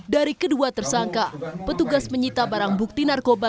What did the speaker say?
dari kedua tersangka petugas menyita barang bukti narkoba